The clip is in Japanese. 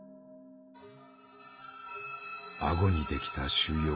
顎にできた腫瘍。